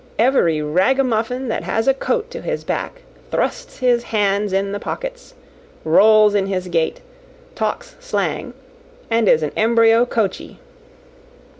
Every ragamuffin that has a coat to his back thrusts his hands in the pockets, rolls in his gait, talks slang, and is an embryo Coachey.